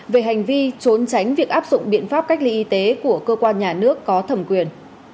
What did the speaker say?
về hành vi trốn tránh việc áp dụng biện pháp cách ly y tế của cơ quan nhà nước có thẩm quyền